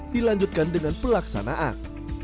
dilanjutkan dengan pelaksanaan